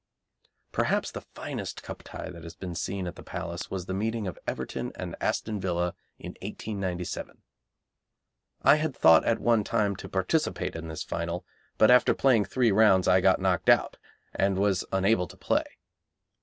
Perhaps the finest Cup tie that has been seen at the Palace was the meeting of Everton and Aston Villa in 1897. I had thought at one time to participate in this final, but after playing three rounds I got knocked out, and was unable to play.